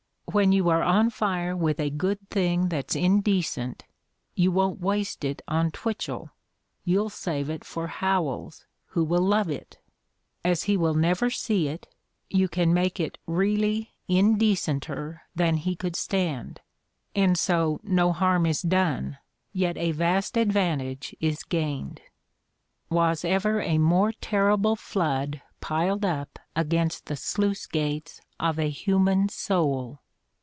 When you are on fire with a good thing that's indecent you won't waste it on Twitchell; you'll save it for Howells, who will love it. As he will never see it you can make it really indecenter than he could stand ; and so no harm is done, yet a vast advantage is gained." Was ever a more terrible flood piled up a:gainst the sluice gates of a human soul?